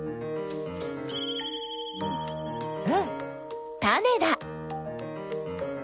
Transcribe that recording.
うんタネだ。